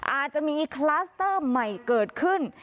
อาจจะมีคลัสเตอร์ใหม่เกิดขึ้น